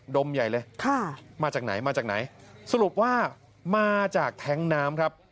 ดมใหญ่เลยมาจากไหนสรุปว่ามาจากแท็งก์น้ำครับ